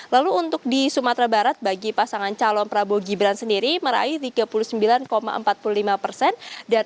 lalu untuk di sumatera barat bagi pasangan calon prabowo gibran sendiri meraih tiga puluh sembilan empat puluh lima persen